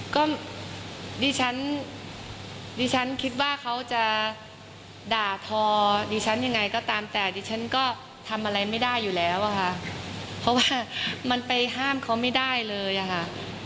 ก็ดิฉันดิฉันคิดว่าเขาจะด่าทอดิฉันยังไงก็ตามแต่ดิฉันก็ทำอะไรไม่ได้อยู่แล้วอะค่ะเพราะว่ามันไปห้ามเขาไม่ได้เลยอะค่ะ